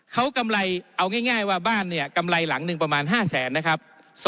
เขากำไรเอาง่ายว่าบ้านเนี่ยกำไรหลังหนึ่งประมาณ๕แสนนะครับ